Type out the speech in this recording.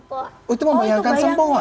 oh itu membayangkan sempowa